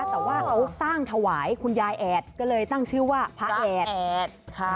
แต่ว่าเขาสร้างถวายคุณยายแอดก็เลยตั้งชื่อว่าพระแอดแอดค่ะ